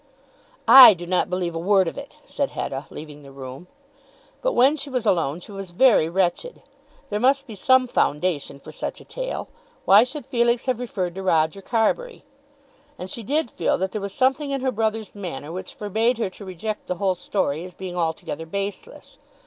"I do not believe a word of it," said Hetta, leaving the room. But when she was alone she was very wretched. There must be some foundation for such a tale. Why should Felix have referred to Roger Carbury? And she did feel that there was something in her brother's manner which forbade her to reject the whole story as being altogether baseless.